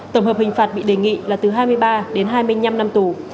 tổng hợp hình phạt bị đề nghị là từ hai mươi ba đến hai mươi năm năm tù